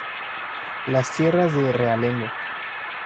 Las tierras de realengo.